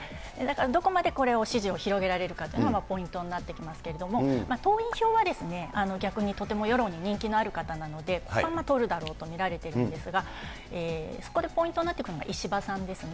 どこまで支持を広げられるかというのが、ポイントになってきますけれども、党員票は逆にとても世論に人気のある方なので、ここは取るだろうと見られているんですが、そこでポイントになってくるのが石破さんですね。